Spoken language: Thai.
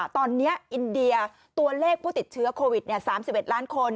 ตอนนี้อินเดียตัวเลขผู้ติดเชื้อโควิด๓๑ล้านคน